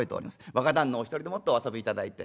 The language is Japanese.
若旦那お一人でもってお遊びいただいて。